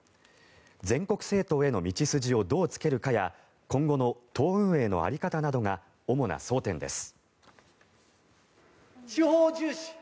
全国政党への道筋をどうつけるかや今後の党運営の在り方などが主な争点です。